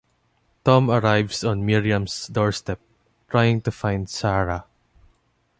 Tom arrives on Miriam's doorstep, trying to find Sarah.